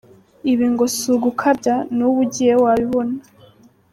Ibi ngo si ugukabya, n’ubu ugiyeyo wabibona.